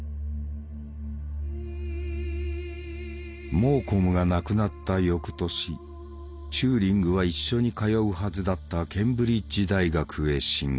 モーコムが亡くなった翌年チューリングは一緒に通うはずだったケンブリッジ大学へ進学。